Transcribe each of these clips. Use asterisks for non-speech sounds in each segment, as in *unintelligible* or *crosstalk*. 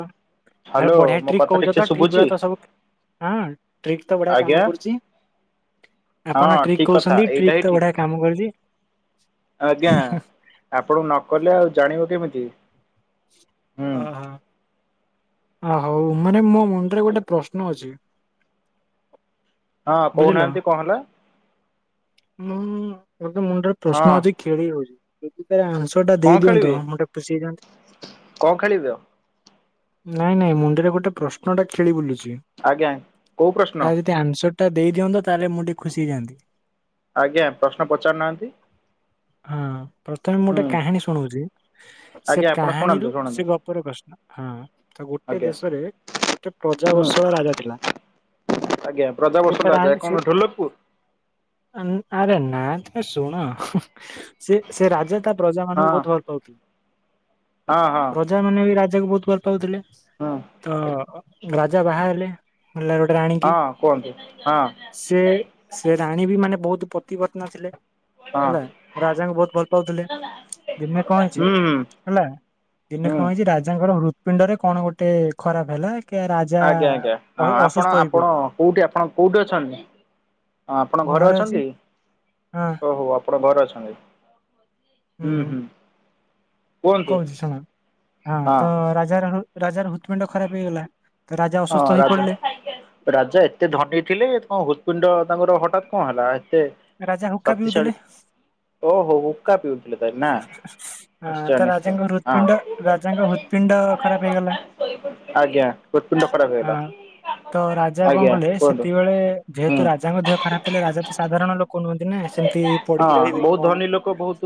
ଆରେ ହ୍ୟାଲୋ ବଢିଆ ମୋ ଟ୍ରିକ୍ କଥା ଠିକ କହୁଛ ସେ ତ ଟ୍ରିକ୍ ଗୁଡା ଶୁଭୁଛି ତ ସବୁ ହଁ ଟ୍ରିକ୍ ତ ବଢିଆ ଆଜ୍ଞା କାମ କରୁଛି। ହଁ ଆପଣ ଟ୍ରିକ ଠିକ କଥା କହୁଛନ୍ତି ଏଇଟା ଟ୍ରିକ ହିଁ ତ ଠିକ ବଢିଆ କାମ କରୁଛି। ଆଜ୍ଞା ଆପଣ ନକଲେ ଆଉ ଜାଣିବ କେମିତି। ହୁଁ ହ ହୋ। ଆ ହୋଉ ମାନେ ମୋ ମନରେ ଗୋଟେ ପ୍ରଶ୍ନ ଅଛି। ହଁ କହୁନାହାନ୍ତି କଣ ହେଲା? ହଁ ମୁଣ୍ଡରେ ହଁ ପ୍ରଶ୍ନ ଅଛି ଖେଳିାଉଛି। ଆଞ୍ଚଶ ଟା କଣ ଦେଇ ଦିଅନ୍ତୁ ଖେଳିବେ ମୋଟେ ପ ଦନ୍ତି କଣ ଖେଳିବେ ନାଇଁ ନାଇଁ ମୁଣ୍ଡରେ ଗୋଟେ ପ୍ରଶ୍ନଟା ଖେଳି ବୁଲୁଛି ଆଜ୍ଞା କୋଉ ପ୍ରଶ୍ନ ତା ଯଦି ଆସର ଟା ଦେଇ ଦିଅନ୍ତୁ ତାହେଲେ ମୁଁ ଟିକେ ଖୁସି ହେଇଯାଆନ୍ତି। ଆଜ୍ଞା ପ୍ରଶ୍ନ ପଚାରୁ ନାହାନ୍ତି? ହଁ। ପ୍ରଥମେ ମୁଁ ଗୋଟେ କାହାଣୀ ଶୁଣଉଛି ସେ ଆଜ୍ଞା ଆପଣ ଶୁଣାନ୍ତୁ କାହାଣୀରୁ ଶୁଣାନ୍ତୁ ସେ ଗପର ପ୍ରଶ୍ନ ହଁ। ଗୋଟେ ଆଜ୍ଞା ଦେଶରେ ଗୋଟେ ହୁଁ ପ୍ରଜାବସଳ ରାଜା ଥିଲା। ଆଜ୍ଞା ସେ ତା ପ୍ରଜାବସଲା ରାଣୀ ଯାଏ ସେ କଣ ଠୋଲପୁର ଆନ୍- ଆରେ ନା ତମେ ଶୁଣ ସେ ସେ ରାଜା ତା ପ୍ରଜା ମାନଙ୍କୁ ହଁ ବହୁତ ଭଲ ପାଉଥିଲେ। ହଁ ହଁ ପ୍ରଜା ମାନେ ବି ରାଜାକୁ ବହୁତ ଭଲ ପାଉଥିଲେ ହୁଁ ତ ରାଜା ବାହା ହେଲେ। ମଲ ଗୋଟେ ରାଣୀ କି ହଁ କୁହନ୍ତୁ ହଁ ସେ ସେ ରାଣୀ ବି ମାନେ ବହୁତ ପତିପତ୍ନଥିଲେ ହଁ ହେଲା ରାଜାଙ୍କୁ ବହୁତ ଭଲ ପାଉଥିଲେ। ଦିନେ କଣ ହେଇଛି ହୁଁ ହୁଁ ହେଲା ଦିନେ ହୁଁ କଣ ହେଇଛି ରାଜାଙ୍କର ହୃତୁ ପିଣ୍ଡରେ କଣ ଗୋଟେ ଖରାପ ହେଲା। କି ରାଜା ଆଜ୍ଞା ଆଜ୍ଞାଁ ଅ ଆପଣ ଅସୁସ୍ଥ ହୋଇ ଆପଣ ପଡିଲେ କୋଉଠି ଆପଣ କୋଉଠି ଅଛନ୍ତି? ଆପଣ ମୁଁ ଘରେ ଅଛି ଅଛନ୍ତି ହଁ ଓହୋ ଆପଣ ଘରେ ଅଛନ୍ତି। ହୁଁ ହୁଁ। କୁହନ୍ତୁ। କହୁଛି ଶୁଣ ହଁ ତ ରାଜାର ରାଜାର ହୃ ହୃତ୍ପିଣ୍ଡ ଖରାପ ହେଇଗଲା। ତ ରାଜା ହଁ ଅସୁସ୍ଥ ହେଇ ରାଜା ପଡିଲେ ରାଜା ଏତେ ଧନୀ ଥିଲେ ତମ ହୃଦପିଣ୍ଡ ତାଙ୍କର ହଠାତ୍ କଣ ହେଲା ଏତେ ରାଜା ହୁକା ବିଉ ଶକ୍ତିଶାଳୀ ଥିଲେ। ଓହୋ ହୁକ୍କା ପିଉଥିଲଥିଲା ତା ନା। ଆଁ, ତ ନିଶ୍ଚୟ ନିଶ୍ଚୟ ରାଜାଙ୍କ ହୃତ୍ପିଣ୍ଡ ହଁ। ରାଜାଙ୍କ ହୃତ୍ପିଣ୍ଡ ଖରାପ ହେଇଗଲା ଆଜ୍ଞା ହୃତ୍ପିଣ୍ଡ ଖରାପ ହଁ ହେଇଗଲା। ତ ରାଜା କଣ ଆଜ୍ଞା କଲେ କୁହନ୍ତୁ ସେତେବେଳେ ହୁଁ। ଯେହେତୁ ରାଜାଙ୍କ ଦେହ ଖରାପ ଥିଲା ରାଜା ତ ସାଧାରଣ ଲୋକ ତି ନା ସେମିତି ପଡିକି ହଁ ରହିବେ କି ବହୁତ କଣ ଧନୀ ଲୋକ ବହୁତ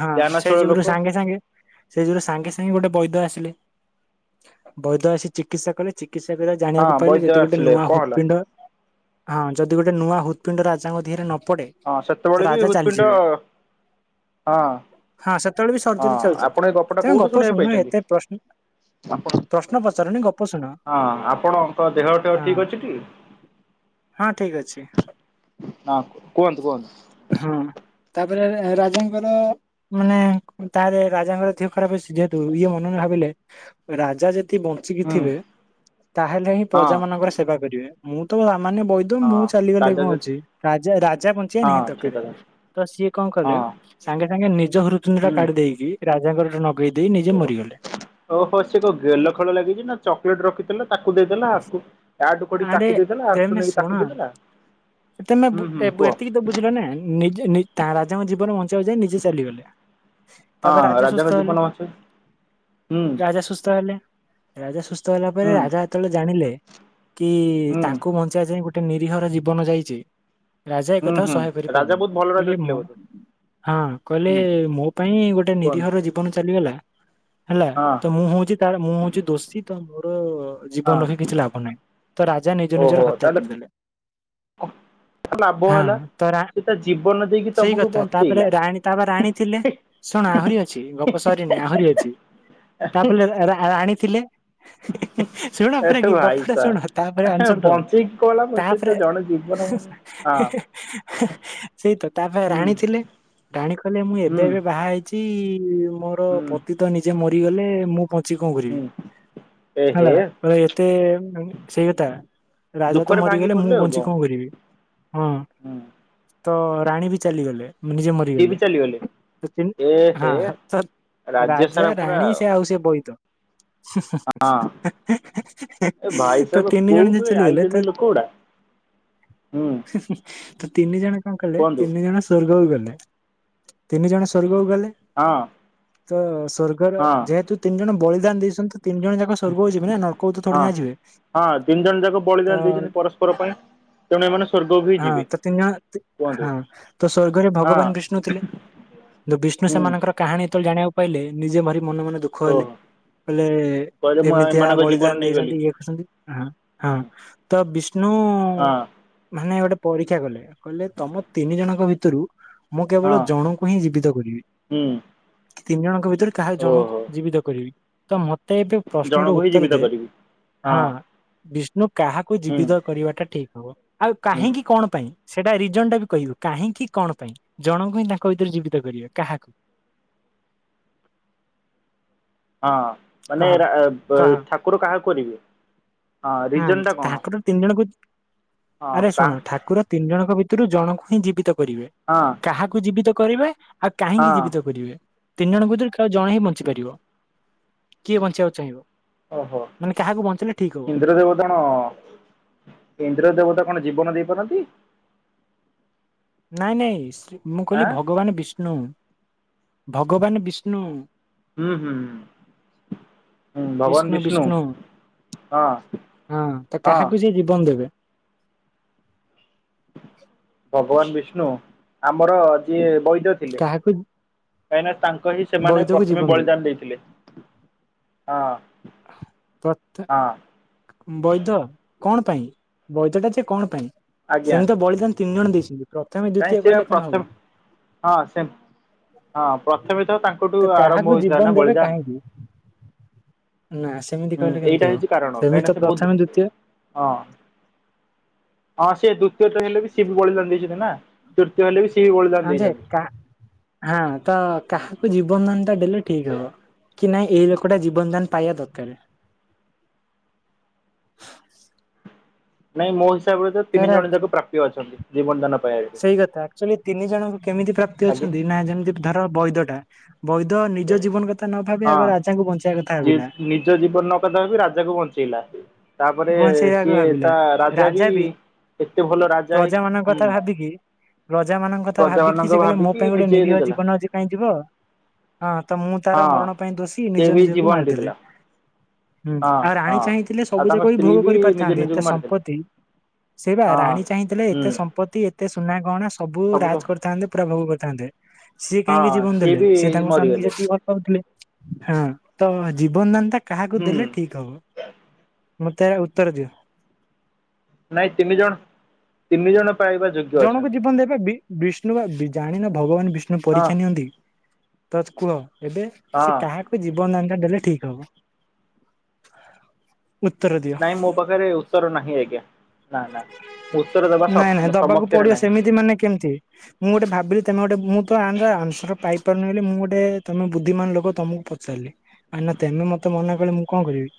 ହଁ ସେଇ ଜ୍ଞାନଶୀଳ ଯୀିଗୁରୁ ଲୋକ। ସାଙ୍ଗେ ସାଙ୍ଗେ ସେ ଯୁଗରୁ ସାଙ୍ଗେ ସାଙ୍ଗେ ଗୋଟେ ବୈଦ ଆସିଲେ ବୈଦ ଆସି ଚିକିତ୍ସା କଲେ। ଚିକିତ୍ସା କରି ଜାଣିବାକୁ ହଁ ପାଇଲେ ବୈଦ୍ୟ ଯଦି ଗୋଟେ ଆସିଲେ ନୂଆ କଣ ହେଲା ହୃତ୍ପିଣ୍ଡ ହଁ ଯଦି ଗୋଟେ ନୂଆ ହୃତ୍ପିଣ୍ଡ ରାଜାଙ୍କ ଧିହରେ ନ ପଡେ ହଁ ତ ସେତେବେଳେ ବି ରାଜା ହୃତ୍ପିଣ୍ଡ ଚାଲିଯିବେ। ହଁ ହଁ ସେତେବେଳେ ବି ହଁ ସର୍ଜରୀ ଚାଲିଥିଲା ଆପଣ ଏ ଗପଟା ତ କୋଉଠୁ ଗପ ଶୁଣିବାକୁ ଶୁଣୁନ ପାଇଛନ୍ତି? ଏତେ ପ୍ରଶ୍ନ ଆପଣ ପ୍ରଶ୍ନ ପଚାରନି ଗପ ଶୁଣ ହଁ ଆପଣଙ୍କ ଦେହ ଫେହ ହଁ। ଠିକ ଅଛି ଟି? ହଁ ଠିକ ଅଛି। ହଁ କୁହନ୍ତୁ କୁହନ୍ତୁ। ହଁ। ତାପରେ ରାଜାଙ୍କର ମାନେ ତା ରାଜାଙ୍କର ଧିହ୍ ଖରାପ ଯେହେତୁ ଇଏ ମନ ଭାବିଲେ ରାଜା ଯେତେ ହୁଁ ବଞ୍ଚିକିଥିବେ ତାହେଲେ ହିଁ ହଁ ପ୍ରଜା ମାନଙ୍କର ସେବା କରିବେ ମୁଁ ତ ମାନେ ବୈଦ୍ୟ ମୁଁ ହଁ ଚାଲିଗଲେ ରାଜା କଣ ଯଦି ଅଛି ରାଜା ରାଜା ବଞ୍ଚିବା ହଁ ନିହାତ ଦ ଠିକ କଥା। ତ ସିଏ କଣ କଲେ ହଁ ସାଙ୍ଗେ ସାଙ୍ଗେ ନିଜ ହୃତୁପିଣ୍ଡ କାଢି ଦେଇକି ରାଜାଙ୍କର ନ ଓ ଓହୋ ସିଏ କଣ ଗେଲ ଖେଳ ଲାଗିଛି ନା ଚକୋଲେଟ ରଖିଥିଲା। ତାକୁ ଦେଇଦେଲା ଆକୁ ଆଠୁ କଡି ଆରେ ତାକୁ ଦେଇଦେଲା ଆ କୁ ତେମେ ନେଇକି ଶୁଣ ତାକୁ ଦେଇଦେଲା ତମେ ବୁ ହୁଁ ହୁଁ ଏ କୁହ ଏତିକି ତ ବୁଝିଲ ନା ନିଯେ ନି ତା ରାଜାଙ୍କ ଜୀବନ ବଞ୍ଚିବାକୁ ଯାଇ ନିଜେ ଚାଲିଗଲେ। ତାପରେ ହଁ ରାଜା ସୁସ୍ଥ ରାଜାଙ୍କ ହେଲେ ଜୀବନ ଅଛି ହୁଁ ରାଜା ସୁସ୍ଥ ହେଲେ। ରାଜା ସୁସ୍ଥ ହେଲା ପରେ ହୁଁ ରାଜା ଯେତେବେଳେ ଜାଣିଲେ କି ହୁଁ ତାଙ୍କୁ ବଞ୍ଚିବା ପାଇଁ ଗୋଟେ ଗୋଟେ ନିରୀହର ଜୀବନ ଯାଇଛି ରାଜା ହୁଁ ଏକଥାକୁ ହୁଁ ସହାୟ ରାଜା କରିପାରଲେେନି ବହୁତ ଭଲ ରାଜା କହିଲେ ଥିଲେ ମୁଁ ବୋଧେ? ହଁ କହିଲେ ହୁଁ ମୋ ପାଇଁ ଗୋଟେ କୁହନ୍ତୁ ନିରୀହର ଜୀବନ ଚାଲିଗଲା। ହେଲା ହଁ ତ ମୁଁ ହଉଛି ତାର ମୁଁ ହଉଛି ଦୋଷୀ ତ ମୁଁ ଜୀବନ ହଁ ରଖି କିଛି ଲାଭ ନାହିଁ ତ ରାଜା ନିଜ ଓହୋ ନିଜର ହତ୍ୟା ତାହେଲେ କରିଦେଲେ। ଲାଭ ହଁ ହେଲା ତ ରା ସେ ତା ଜି ସେଇ କଥା ତାପରେ ରାଣୀ ତାପ ରାଣୀ ଥିଲେ ଶୁଣ ଆହୁରି ଅଛି ଗପ ସରିନ ଆହୁରି ଅଛି ତାପଲେ ରା ରା ରାଣିଥିଲେ। ଶୁଣ ପୁରା ଆରେ କି ଭାଇ କପଟା ଶୁଣ ତାପରେ ସାବ ଆନ୍ସସାର ବଞ୍ଚେଇକି କଣ ଦବ ଲାଭ ସେ ତ ତାପରେ ଜଣେ ଜୀବନ ହଁ ସେଇ ତ ତାପରେ ହୁଁ ରାଣୀ ଥିଲେ। ରାଣୀ କଲେ ମୁଁ ହୁଁ ଏବେ ଏବେ ବାହା ହେଇଛି ମୋର ହୁଁ ପତି ତ ନିଜେ ମରିଗଲେ ମୁଁ ଵଞ୍ଚିକି କଣ କରିବି। ହୁଁ ଏ ହେ ହେଲା ଏତେ ସେଇ ତା ରାଜା ତ ଦୁଃଖରେ ଭାଙ୍ଗି ମରିଗଲେ ମୁଁ ପଡିଲେ ଆଉ ବଞ୍ଚିକି କଣ କରିବି ହଁ ହୁଁ ତ ରାଣୀ ବି ଚାଲିଗଲେ ନିଜେ ସିଏ ବି ମରିଗଲେ। ଚାଲିଗଲେ ଏ ହେ ହଁ ରାଜ୍ୟ ରାଜା ସାରା ପୁରା ରାଣି ସେ ଆଉସ ବୋଇତ। *inaudible* ହଁ ଏ ଭାଇ ତ ସାହେବ ତିନି ଜଣ ଯଦି କୋଉଠୁ ଚାଲିଗଲେ ତ ଆଇଛନ୍ତି ଲୋକ ଗୁଡା ହୁଁ ତ ତିନି ଜଣ କଣ କଲେ କୁହନ୍ତୁ ତିନି ଜଣ ସ୍ୱର୍ଗକୁ ଗଲେ। ତିନି ଜଣ ସ୍ଵର୍ଗକୁ ଗଲେ ହଁ ତ ସ୍ଵର୍ଗର ହଁ ଯେହେତୁ ତିନି ଜଣ ବଳିଦାନ ଦେଇଛନ୍ତି। ତିନି ଜଣ ଯାକ ସ୍ୱର୍ଗ ହଉ ଯିବେ ନା ନର୍କକୁ ଥୋଡି ହଁ ନା ଯିବେ ହଁ ତିନି ଜଣ ଯାକ ବଳିଦାନ ତ ଦେଇଛନ୍ତି ପରସ୍ପର ତେଣୁ ଏମାନେ ସ୍ୱର୍ଗକୁ ହିଁ ହଁ ଯିବେ ତ ତିନି ଜଣ କୁହନ୍ତୁ ହଁ ତ ସ୍ଵର୍ଗରେ ହଁ ଭଗବାନ ବିଷ୍ଣୁ ଥିଲେ। ବିଷ୍ଣୁ ହୁଁ ସେମାନଙ୍କର କାହାଣୀ ଯେତେବେଳେ ଜାଣିବାକୁ ପାଇଲେ ନିଜେ ଭରି ମନେ ମନେ ଦୁଃଖ ହେଲେ। ଓହୋ। କଲେ କହିଲେ ମୁଁ ଏମିତିଆ ଏମାନଙ୍କ ଜୀବନ ବଳିଦାନ ନେଇଗଲି ଦେଇଛନ୍ତି ଇଏ କରୁଛନ୍ତି ହଁ ହୁଁ ତ ବି ହଁ। ମାନେ ଗୋଟେ ପରୀକ୍ଷା କଲେ କହିଲେ ତମ ତିନି ଜଣଙ୍କ ଭିତରୁ ମୁଁ କେବଳ ହଁ ଜଣଙ୍କୁ ହିଁ ଜୀବିତ କରିବି ହୁଁ। କି ତିନି ଜଣଙ୍କ ଭିତ ରେ କାହାର ଜଣଙ୍କୁ ଓହୋ ଜୀବିତ କରିବି ତ ମତେ ଗୋଟେ ଏବେ ପ୍ରଶ୍ନର ଜଣକୁ ହିଁ ଉତ୍ତର ଜୀବିତ ଦେ କରିବି ହଁ ବିଷ୍ଣୁ କାହାକୁ ହୁଁ ଜୀବିତ କରିବାଟା ଠିକ ହବ ଆଉ ହୁଁ କାହିଁକି କଣ ପାଇଁ? ସେଇଟା ରିଜନ ଟା ବି କହିବୁ କାହିଁକି କଣ ପାଇଁ ଜଣଙ୍କୁ ହିଁ ତାଙ୍କ ଭିତରେ ଜୀବିତ କରିବେ କାହାକୁ? *inaudible* ହଁ ମାନେ କହ କହ ଠାକୁର କାହା କରିବି। ହଁ ହୁଁ ରିଜଣ୍ଡଟା କଣ? ଠାକୁର ତିନି ଜଣଙ୍କୁ ହଁ ଆରେ କା ଶୁଣ ଠାକୁର ତିନି ଜଣଙ୍କ ଭିତରୁ ଜଣଙ୍କୁ ହିଁ ଜୀବିତ କରିବେ ହଁ କାହାକୁ ଜୀବିତ। କରିବେ ଆଉ କାହିଁକି ହଁ ଜୀବିତ କରିବେ ତିନି ଜଣଙ୍କରେଉ ଜଣ ହିଁ ବଞ୍ଚିପାରିବ। କିଏ ବଞ୍ଚିବାକୁ ଚାହିଁବ ଓହୋ ମାନେ କାହାକୁ ବଞ୍ଚେଇିଲଲେ ଠିକ ହବ। ଇନ୍ଦ୍ର ଦେବତା କଣ ଇନ୍ଦ୍ର ଦେବତା କଣ ଜୀବନ ଦେଇପାରନ୍ତି? ନାଇଁ ନାଇଁ ମୁଁ କହିଲି ଆଁ ଭଗବାନ ବିଷ୍ଣୁ ଭଗବାନ ବିଷ୍ଣୁ। ହୁଁ ହୁଁ ହ ହଁ ଭଗବାନ ବିଷ୍ଣୁ ହଁ। ହଁ ତ ହଁ କାହାକୁ ସିଏ ଜୀବନ ଦେବେ? *inaudible* ଭଗବାନ ବିଷ୍ଣୁ ଆମର ଯିଏ ବୈ କାହାକୁ? କାହିଁକିନା ତାଙ୍କ ହିଁ ସେମାନେ ବୈଦକୁ ପ୍ରଥମେ ଜୀବନ ଦେବେ ବଳିଦାନ ଦେଇଥିଲେ ହଁ। ତ ହଁ ବୈଧ? କଣ ପାଇଁ ବୈଧ ଟା ସେ କଣ ପାଇଁ ସେମିତି ବଳିଦାନ ତିନି ଜଣ ଦେଇଛନ୍ତି। ପ୍ରଥମେ କାଇଁ ଦ୍ଵିତୀୟ ସେ କହିଲେ କଣ ହବ? ପ୍ରଥମେ ହଁ ସେ ହଁ ପ୍ରଥମେ ତ ତାଙ୍କଠୁ କାହାକୁ ଆରମ୍ଭ ହେଇଥିଲା ଜୀବନ ନା ଦେବେ ବଳିଦାନ। କାହିଁକି ନା ସେମିତି ହୁଁ କହିଲେ କେମିତି ଏଇଟା ହବ? ହେଉଛି କାରଣ ସେମିତି କାହିଁକି ତ ସେ ବହୁତ ପ୍ରଥମେ ଦ୍ଵିତୀୟ ହଁ। ହଁ ସେ ଦ୍ଵିତୀୟରେ ହେଲେ ବି ସ ବଳି ଲଣ୍ଡେଇଛନ୍ତି ନା ତୃତୀୟ ହେଲେ ବି ସିଏ ବି ବଳିଦାନ ହଁ ଯେ ଦେଇଛନ୍ତି। ହଁ ତ ହୁଁ, କାହାକୁ ଜୀବନ ଦାନ ଟା ଦେଡଲେ ଠିକ ହବ। କି ନାହିଁ ଏଇ ଲୋକଟା ଜୀବନ ଦାନ ପାଇବା ଦରକାର। ହଁ। ନାଇଁ ମୋ ହିସାବରେ ତ ତିନି ଜଣ ଯାକ ପ୍ରାପ୍ୟ ଅଛନ୍ତି ଜୀବନ ଦାନ ପାଇବାକୁ ସେଇ କଥା ଆକ୍ଚୁଆଲି ତିନି ଜଣଙ୍କୁ କେମିତି ପ୍ରାପ୍ତି ଆଜ୍ଞା ଅଛନ୍ତି ନା ଯେମିତି ଧର ବୈଦଟା ବୈଧ ନିଜ ଜୀବନ କଥା ନ ଭାବି ହଁ ଆଗ ରାଜାଙ୍କୁ ବଞ୍ଚେଇବା କଥା ଯିଏ ଭାବିଲା। ଥିଲା। ତାପରେ ବଞ୍ଚେଇବାକୁ ସିଏ ଭାବିଲା ତା ରାଜା ବି ଏତେ ଭଲ ରାଜା ହେଇ ହୁଁ। ହିଁ ରାଜା ମାନଙ୍କ କଥା ପ୍ରଜା ଭାବିକି ମାନଙ୍କ ସେ କହିଲା ମୋ ଭାବିକି ପାଇଁ ଗୋଟେ ନିଜେ ନିରୀହ ଦେଇଦେଲା ଜୀବନ ଆଜି କାଇଁ ଯିବ। ହଁ ତ ମୁଁ ତାର ହଁ। ମରଣ ପାଇଁ ଦୋଷୀ ସେ ନିଜ ବି ନିଜକୁ ଜୀବନ ମାରିଦେଲେ। ଦେଇଦେଲା ହୁଁ ହଁ ଆଉ ରାଣୀ ହଁ। ଚାହିଁଥିଲେ ଆଉ ସବୁ ତାଙ୍କ ଯାକ ବି ସ୍ତ୍ରୀ ଭୋଗ କରି ନିଜେ ପାରିଥାନ୍ତେ ଏତେ ନିଜକୁ ମାରିଦେଲେ ସମ୍ପତ୍ତି। ସେଇ ବା ହଁ ରାଣୀ ଚାହିଁଥିଲେ ହୁଁ ଏତେ ସମ୍ପତ୍ତି ଏତେ ସୁନା କଣ ସବୁ ରାଜ କରିଥାନ୍ତେ ପୁରା ଭୋଗ କରିଥାନ୍ତେ। ସିଏ ହଁ କାହିଁକି ଜୀବନ ଦେଲେ ବି ସିଏ ତାଙ୍କ ସ୍ଵାମୀ ମରିଗଲେ ଯେତିକି ଭଲ ପାଉଥିଲେ ହଁ ତ ଜୀବନ ଦାନତା କାହାକୁ ହୁଁ ଦେଲେ ଠିକ ହବ ମତେ ଉତ୍ତର ଦିଅ? ନାଇଁ ତିନି ଜଣ ତିନି ଜଣ। ପାଇବା ଯୋଗ୍ୟ ଜଣଙ୍କ ଅଛନ୍ତି ଜୀବନ ଦେବା ବି ବିଷ୍ଣୁ ବା ଜାଣିନ ଭଗବାନ ବିଷ୍ଣୁ ହଁ ପରୀକ୍ଷା ନିଅନ୍ତି ତତ୍ କୁହ। ଏବେ ସେ ହଁ କାହାକୁ ବି ଜୀବନଦାନ ଦେଲେ ଠିକ ହବ। ଉତ୍ତର ଦିଅ ନାଇଁ ମୋ ପାଖରେ ଉତ୍ତର ନାହିଁ ଆଜ୍ଞା ନା ନାଁ। ନାଇଁ ନାଇଁ ଦବାକୁ ପଡିବ ସେମିତି ମାନେ କେମିତି ମୁଁ ଗୋଟେ ଭାବିଲି ତମେ ଗୋଟେ ମୁଁ ତ ଆନସର ପାଇ ପାରୁନି ବୋଲି ମୁଁ ଗୋଟେ ତମେ ବୁଦ୍ଧିମାନ ଲୋକ ତମକୁ ପଚାରିଲେ ଆ ନା ତମେ ମତେ ମନା କଲେ ମୁଁ କଣ କରିବି?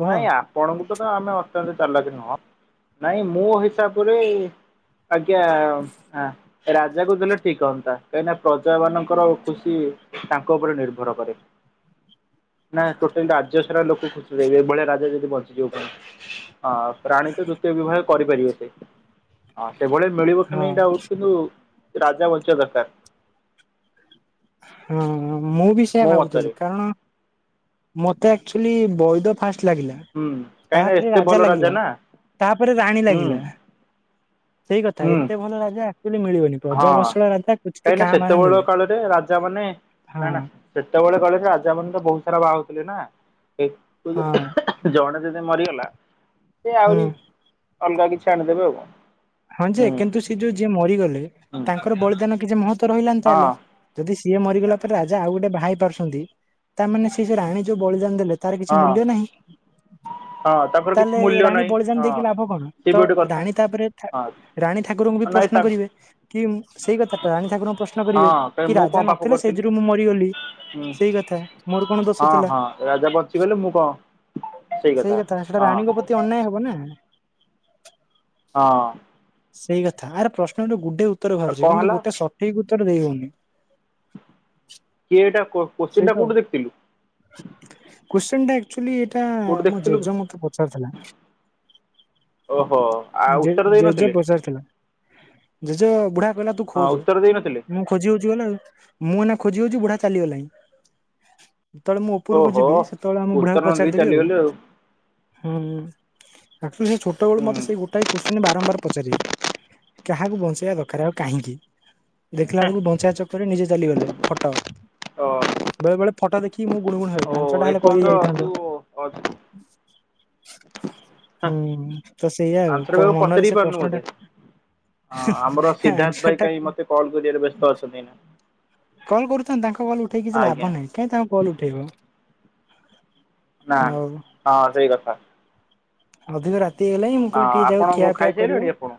କୁହ? ପଣଙ୍କୁ ତ ତ ଆମେ ଅତ୍ୟନ୍ତ ଚାଲାକି ନୁହଁ ନାଇଁ ମୋ ହିସାବରେ ଆଜ୍ଞା ଆ ରାଜାକୁ ଦେଲେ ଠିକ ହୁଅନ୍ତା କାହିଁକିନା ପ୍ରଜା ମାନଙ୍କର ଖୁସି ତାଙ୍କ ଉପରେ ନିର୍ଭର କରେ। ହ ନା ଟୋଟାଲି ରାଜ୍ୟ ସାରା ଲୋକ ଖୁସି ରହିବେ ଏଭଳିଆ ରାଜା ଯଦି ବଞ୍ଚିଯିବ ତାହେଲେ ହଁ ପ୍ରାଣୀ ତ ଦ୍ୱିତୀୟ ବିବାହ କରିପାରିବେ ସେ। ହଁ ସେଭଳି ମିଳିବ କି ହଁ ନାଇ ଡାଉଟ କିନ୍ତୁ ରାଜା ବଞ୍ଚିବା ଦରକାର। ହଁ ମୁଁ ବି ସେୟା ମୋ ଭାବୁଥିଲି ମତରେ କାରଣ ମତେ ଆଚୁଆଲି ବୈଦ ଫାଷ୍ଟ ଲାଗିଲା ହୁଁ କାହିଁକିନା ତାପରେ ଏତେ ରାଜା ଭଲ ଲାଗିଲା ନା ତାପରେ ରାଣୀ ହୁଁ ଲାଗିଲା। ସେଇ କଥା ହୁଁ ଏତେ ଭଲ ରାଜା ଆକ୍ଚୁଆଲି ମିଳିବନି ପ୍ରଜା ହଁ ବସଳ ରାଜା କିଛି କାହିଁକି ନା କାଁ ବାହାରେ ସେତେବେଳ ମିଳେ। କାଳରେ ରାଜା ମାନେ ହଁ ନା ନା ସେତେବେଳେ କହିଲେ ଯେ ରାଜା ମାନେ ତ ବହୁତ ସାରା ବାହା ହଉଥିଲେ ନା। ତୁ ଯଦି ହଁ ତୁ ଯ ଜଣେ ଯଦି ମରିଗଲା ସେ ହୁଁ ଆହୁରି ଅଲଗା କିଛି ଛାଡ଼ି ଦେବେ ଆଉ କଣ ହଁ ଯେ ହୁଁ କିନ୍ତୁ ସେ ଯୋଉ ଯିଏ ମରିଗଲେ ହୁଁ ତାଙ୍କର ବଳିଦାନ କିଛି ମହତ୍ଵ ରହିଲାନି ହଁ ତାହେଲେ ଯଦି ସିଏ ମରିଗଲା ପରେ ରାଜା ଆଉ ଗୋଟେ ବାହା ହେଇ ପାରୁଛନ୍ତି ତାମାନେ ସେ ସେଇ ରାଣୀ ଯୋଉ ବଳିଦାନ ଦେଲେ ତାର କିଛି ହଁ ମୂଲ୍ୟ ନାହିଁ। ହଁ ତାଙ୍କର କିଛି ତାହେଲେ ଏ ମୂଲ୍ୟ ରାଣୀ ନାହିଁ ବଳିଦାନ୍ ହଁ। ଦେଇକି ଲାଭ କଣ? ସେ ବି ତ ଗୋଟେ କଥା ରାଣୀ ତାପରେ ହଁ ରାଣୀ ଠାକୁରଙ୍କୁ ବି ନାଇଁ ପ୍ରଶ୍ନ ତା କରିବେ କି ସେଇ କଥାଟା ରାଣୀ ଠାକୁରଙ୍କୁ ପ୍ରଶ୍ନ କରିବେ ହଁ କାଇଁ କି ମୁଁ କଣ ରାଜା ପାପ ନଥିଲେ କରିଥିଲି। ସେଯୁଗୁରୁ ମୁଁ ମରିଗଲି। ହୁଁ ସେଇ କଥା ମୋର କଣ ଦୋଷ ହଁ ଥିଲା? ହଁ ରାଜା ବଞ୍ଚିଗଲେ ମୁଁ କଣ ସେଇ କଥା ସେଟା ରାଣୀଙ୍କ ପ୍ରତି ଅନ୍ୟାୟ ହବ ନା? ହଁ। ସେଇ କଥା ଆରେ ପ୍ରଶ୍ନ ଗୁଡିଏ ଉତ୍ତର ବାହାରୁଛି କଣ କିନ୍ତୁ ହେଲା ଗୋଟେ ସଠିକ ଉତ୍ତର ଦେଇ ହଉନି। କିଏ ଏଟା କୋ ସେଇ କୋଶ୍ଚିିନଟା ତ କଉଠୁ ଦେଖିଥିଲୁ? କୋଶ୍ଚିିନଟା ଆକଚୁଆଲି ଏଇଟା କୋଉଠୁ ମୋ ଦେଖିଥିଲୁ? ଜେଜଙ୍କଠୁ ମତେ ପଚାରୁଥିଲା। ଓହୋ ଆଉ ଜ ଉତ୍ତର ଜେଜେ ଦେଇନଥିଲେ ପଚାରୁ ଥିଲା। ଜେଜେ ବୁଢା କହିଲା ତୁ ହଁ ଖୋଜ ଉତ୍ତର ଦେଇନଥିଲେ ମୁଁ ଖୋଜି ହଉଛି ଏନା ମୁଁ ଏଇନା ଖୋଜି ହଉଛି ବୁଢା ଚାଲିଗଲାଣି। ଯେତେବେଳେ ମୁଁ ଉପରକୁ ଓହୋ ଯିବି ସେତେବେଳେ ଆମ ଉତ୍ତର ବୁଢାକୁ ନ ଦେଇ ପଚାରିଦେବି ଆଉ ଚାଲିଗଲେ ହୁଁ। ସେ ଛୋଟବେଳ ମୋତ ହୁଁ ସେଇ ଗୋଟା କୋଶିନ୍ ବାରବାର ପଚାରି କାହାକୁ ବଞ୍ଚେଇବା ଦରକାର ଆଉ କାହିଁକି? ଦେଖିଲା ହେଁ, ବେଳକୁ ବଞ୍ଚା ଚକରେ ନିଜେ ଚାଲିଗଲେ ଫଟୋ ଓ ବେଳେ ବେଳେ ଫଟୋ ଦେଖ କି ମୁଁ ଗୁଣ ଗୁଣ ହବି ଓ ଆଞ୍ଚ ଟା ହେଲେ କହିଦ ଏପର୍ଯ୍ୟନ୍ତ ତୁ ଯାଇଥାନ୍ତ। ହୁଁ ତ ସେଇଆାଉ ଆନ୍ସର କାହାକୁ ପଚାରି ମନରେ ସେ ପାରୁନୁ ବୋଧେ ପ୍ରଶ୍ନଟା ହଁ ଆମର ସିଦ୍ଧାର୍ଥ ଭାଇ ଟା କାହିଁ ମତେ କଲ କରିବା ବ୍ୟସ୍ତ ଅଛନ୍ତି ନା? କଲ୍ କରୁଥାନ୍ତ ତାଙ୍କ କଲ୍ ଉଠେଇ କିଛି ଲାଭ ନାହିଁ କାହିଁକି ତାଙ୍କ କଲ ଉଠେଇବ। ନା ହଉ ହଁ ସେଇ କଥା। ଅଧିକ ରାତି ହେଇଗଲାଣି ମୁଁ ହଁ କହିଲି ଟିକେ ଯାଉ ଆପଣ ଖିଆପିଆ କରିବ ଖାଇସାରିଲେଣି ଆପଣ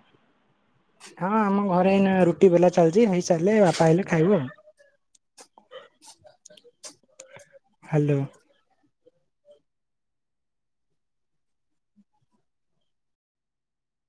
ହଁ ଆମ ଘରେ ଏଇନା ରୁଟି ବେଲା ଚାଲିଛି ହେଇସାରିଲେ ବାପା ଆଇଲେ ଖାଇବ ଆଉ *unintelligible* ହ୍ୟାଲୋ।